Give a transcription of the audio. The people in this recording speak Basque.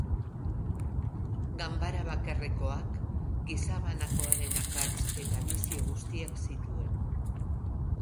Ganbara bakarrekoak gizabanakoaren akats eta bizio guztiak zituen.